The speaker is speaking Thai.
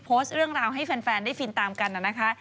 โพสต์เรื่องราวให้แฟนได้ฟินตามกันนะคะ